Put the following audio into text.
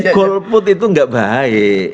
golput itu gak baik